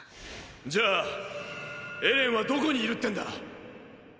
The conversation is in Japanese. じゃあエレンはどこにいるってんだ？